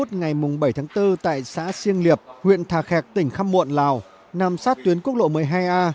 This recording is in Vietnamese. theo đó vào lúc một mươi năm h năm ngày bảy tháng bốn tại xã siêng liệp huyện thà khẹc tỉnh khăm muộn lào nằm sát tuyến quốc lộ một mươi hai a